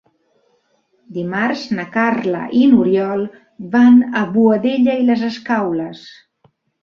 Dimarts na Carla i n'Oriol van a Boadella i les Escaules.